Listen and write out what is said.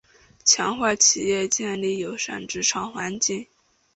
强化企业建立友善职场环境